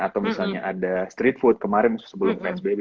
atau misalnya ada street food kemarin sebelum trans baby